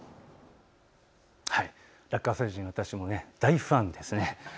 ラッカ星人、私も大ファンです。